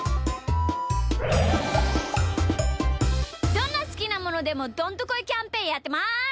どんなすきなものでもどんとこいキャンペーンやってます。